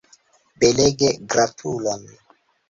Belege, gratulon!